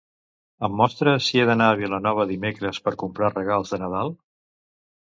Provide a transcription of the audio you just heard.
Em mostres si he d'anar a Vilanova dimecres per comprar regals de Nadal?